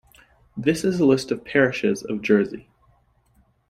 This is a list of parishes of Jersey.